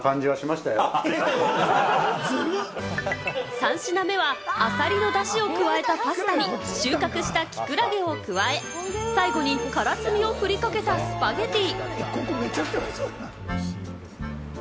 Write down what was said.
３品目はアサリのだしを加えたパスタに収穫したキクラゲを加え、最後にカラスミをふりかけたスパゲッティ。